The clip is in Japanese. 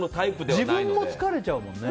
自分も疲れちゃう。